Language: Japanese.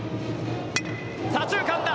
左中間だ！